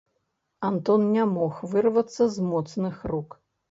Антон не мог вырвацца з моцных рук.